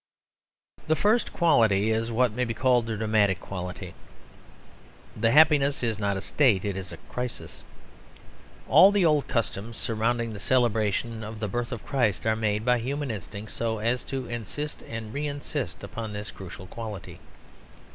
The first quality is what may be called the dramatic quality. The happiness is not a state; it is a crisis. All the old customs surrounding the celebration of the birth of Christ are made by human instinct so as to insist and re insist upon this crucial quality.